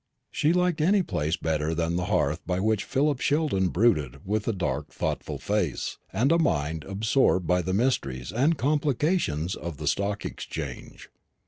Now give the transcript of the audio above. She liked any place better than the hearth by which Philip Sheldon brooded with a dark thoughtful face, and a mind absorbed by the mysteries and complications of the Stock Exchange.